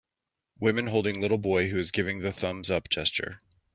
Women holding little boy who is giving the thumbs up gesture.